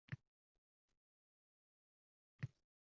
Pastlab suzayotgan ikkita ushoqqina bulut.